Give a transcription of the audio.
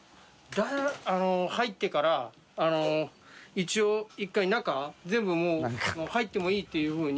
一応１回中全部もう入ってもいいっていうふうに。